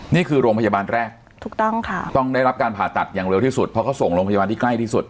นี่คือโรงพยาบาลแรกถูกต้องค่ะต้องได้รับการผ่าตัดอย่างเร็วที่สุดเพราะเขาส่งโรงพยาบาลที่ใกล้ที่สุด